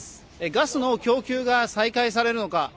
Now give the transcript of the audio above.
ガスの供給が再開されるのか。